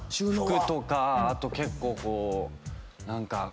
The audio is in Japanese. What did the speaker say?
服とかあと結構こう。